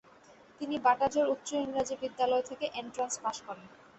তিনি বাটাজোড় উচ্চ ইংরাজী বিদ্যালয় থেকে এন্ট্রান্স পাশ করেন।